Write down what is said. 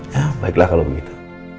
ya baiklah kalau begitu